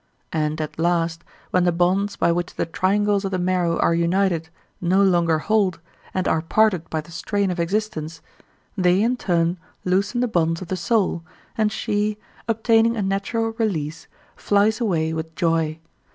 And at last, when the bonds by which the triangles of the marrow are united no longer hold, and are parted by the strain of existence, they in turn loosen the bonds of the soul, and she, obtaining a natural release, flies away with joy.